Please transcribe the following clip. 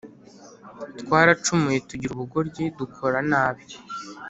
twaracumuye, tugira ubugoryi, dukora nabi